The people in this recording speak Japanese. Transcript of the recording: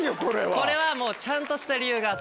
これはもうちゃんとした理由があって。